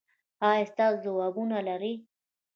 ایا تاسو ځوابونه لرئ؟